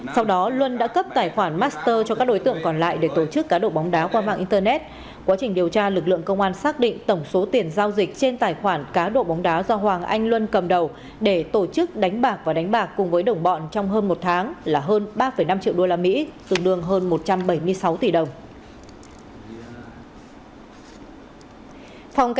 sau đó luân đã cấp tài khoản master cho các đối tượng còn lại để tổ chức cá độ bóng đá qua mạng internet quá trình điều tra lực lượng công an xác định tổng số tiền giao dịch trên tài khoản cá độ bóng đá do hoàng anh luân cầm đầu để tổ chức đánh bạc và đánh bạc cùng với đồng bọn trong hơn một tháng là hơn ba năm triệu usd tương đương hơn một trăm bảy mươi sáu tỷ đồng